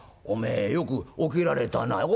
おめえよく起きられたな」。